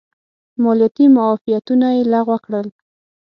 مالیاتي معافیتونه یې لغوه کړل.